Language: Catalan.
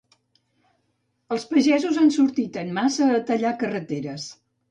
Els pagesos han sortit en massa a tallar carreteres.